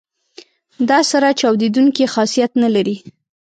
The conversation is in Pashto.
دا سره چاودیدونکي خاصیت نه لري.